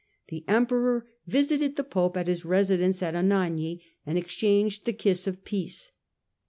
The Emperor visited the Pope at his residence at Anagni and exchanged the kiss of peace.